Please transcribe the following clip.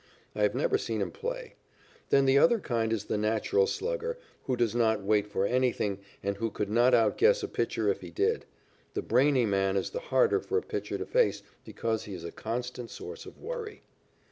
I have never seen him play. Then the other kind is the natural slugger, who does not wait for anything, and who could not outguess a pitcher if he did. The brainy man is the harder for a pitcher to face because he is a constant source of worry.